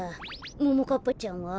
ももかっぱちゃんは？